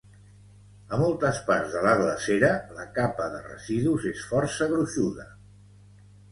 A moltes parts de la glacera, la capa de residus és força gruixuda.